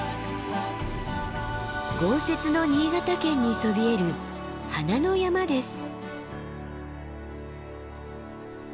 豪雪の新潟県にそびえる「花の山」です。